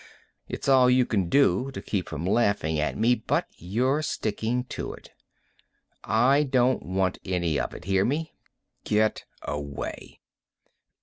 It's all you can do to keep from laughing at me, but you're sticking to it. I don't want any of it, hear me? Get away."